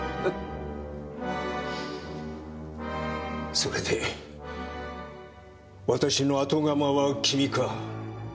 それで私の後釜は君か。